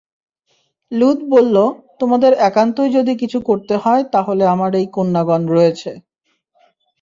লূত বলল, তোমাদের একান্তই যদি কিছু করতে হয় তাহলে আমার এই কন্যাগণ রয়েছে।